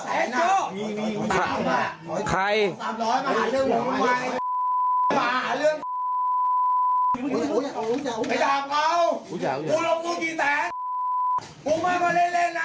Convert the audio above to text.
ไอ้คั้น